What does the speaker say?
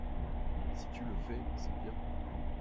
Si Tu le fais, c'est bien.